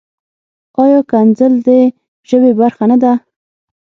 ایا کنځل د ژبې برخه نۀ ده؟